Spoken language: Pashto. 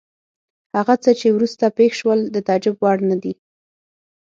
هغه څه چې وروسته پېښ شول د تعجب وړ نه دي.